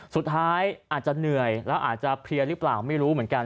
สุดท้ายอาจจะเหนื่อยแล้วอาจจะเพลียหรือเปล่าไม่รู้เหมือนกัน